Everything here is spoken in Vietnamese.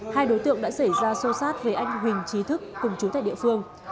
hai đối tượng đã xảy ra xô xát về anh huỳnh trí thức cùng chú tại địa phương